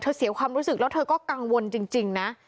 เสียความรู้สึกแล้วเธอก็กังวลจริงนะ